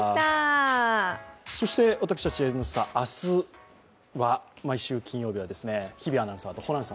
そして私たち「Ｎスタ」明日、毎週金曜日は日比アナウンサーとホランさん